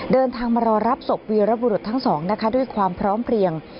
เดินทางมารอรับศพวีรบุรุษทั้งสองนะคะด้วยความพร้อมเพลียง